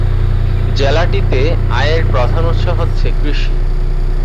জেলাটিতে আয়ের প্রধান উৎস হচ্ছে কৃষি।